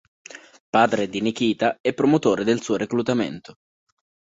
Padre di Nikita e promotore del suo reclutamento.